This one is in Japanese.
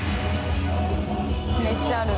「めっちゃある」